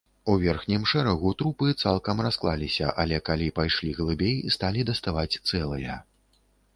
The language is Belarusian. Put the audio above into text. У верхнім шэрагу трупы цалкам расклаліся, але калі пайшлі глыбей, сталі даставаць цэлыя.